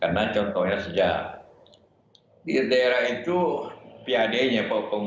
karena contohnya sejak di daerah itu pad nya